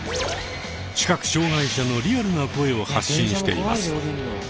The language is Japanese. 視覚障害者のリアルな声を発信しています。